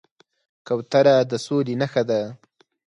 کوتره د سولې نښه ده.